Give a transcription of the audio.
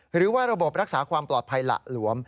หรือว่าระบบรักษาความปลอดภัยหละหลวม